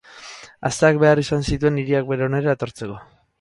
Asteak behar izan zituen hiriak bere onera etortzeko.